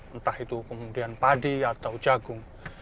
entah itu kemudian padi atau jagung